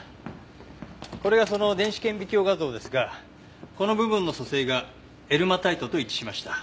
これがその電子顕微鏡画像ですがこの部分の組成がエルマタイトと一致しました。